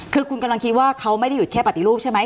คือคุณกำลังคิดว่าเขาไม่ได้หยุดแค่ปฏิรูปใช่ไหม